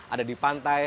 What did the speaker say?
ada di pantai